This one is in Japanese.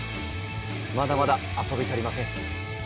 まだまだ遊び足りません。